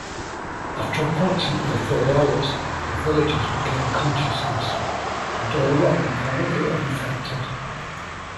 After approximately four hours, the villagers regain consciousness, and all are apparently unaffected.